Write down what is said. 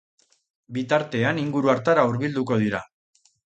Bitartean, inguru hartara hurbilduko dira.